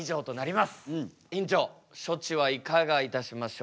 院長処置はいかがいたしましょうか？